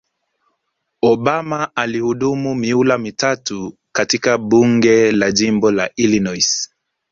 Obama alihudumu mihula mitatu katika Bunge la jimbo la Illinos